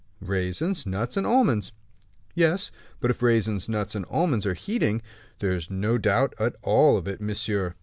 "Raisins, nuts, and almonds." "Yes; but if raisins, nuts, and almonds are heating " "There is no doubt at all of it, monsieur."